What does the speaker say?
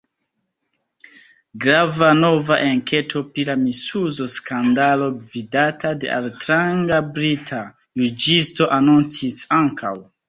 Grava nova enketo pri la misuzo skandalo gvidata de altranga brita juĝisto anoncis ankaŭ.